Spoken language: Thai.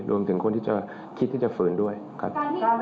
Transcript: รวมถึงคนที่จะคิดที่จะฝืนด้วยครับ